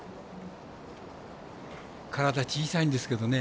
体が小さいんですけどね